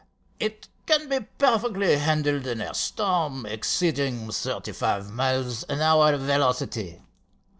"It can be perfectly handled in a storm exceeding thirty five miles an hour velocity.